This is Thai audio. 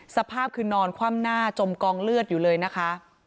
สภาพคือนอนคว่ำหน้าจมกองเลือดอยู่เลยนะคะ